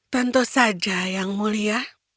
tentu saja yang mulia